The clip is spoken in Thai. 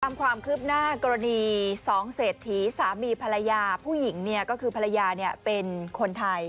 ตามความคืบหน้ากรณีสองเศษฐีสามีภรรยาผู้หญิงเนี่ยก็คือภรรยาเนี่ยเป็นคนไทย